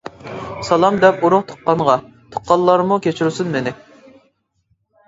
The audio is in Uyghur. سالام دەپ ئۇرۇق تۇغقانغا، تۇغقانلارمۇ كەچۈرسۇن مېنى.